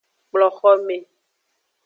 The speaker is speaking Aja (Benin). Kplo xome.